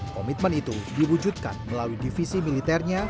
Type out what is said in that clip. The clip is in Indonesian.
komitmen itu diwujudkan melalui divisi militernya